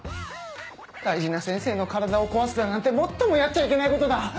大事な先生の体をこわすだなんて最もやっちゃいけないことだ。